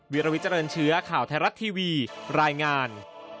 วิรวิเจริญเชื้อข่าวไทยรัฐทีวีรายงาน